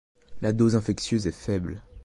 La dose infectieuse est faible.